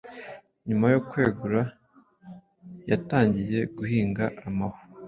nyuma yokwegura yatangiye guhinga amahu